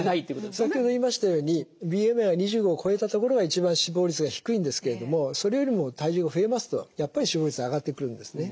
先ほど言いましたようにＢＭＩは２５を超えたところが一番死亡率が低いんですけれどもそれよりも体重が増えますとやっぱり死亡率上がってくるんですね。